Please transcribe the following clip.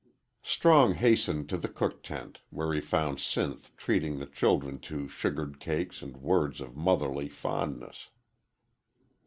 Strong hastened to the cook tent, where he found Sinth treating the children to sugared cakes and words of motherly fondness.